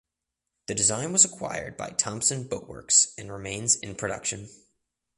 The design was acquired by Thompson Boatworks and remains in production.